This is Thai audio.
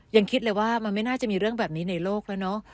ยังคิดเลยว่ามันไม่น่าจะมีเรื่องแบบนี้ในโลกแล้วเนอะ